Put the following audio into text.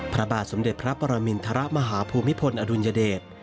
พระบาทสมเด็จพระปรมินทรมาฮภูมิพลอดุลยเดช